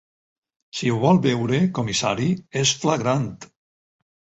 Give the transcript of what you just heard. Si ho vol veure, comissari, és flagrant.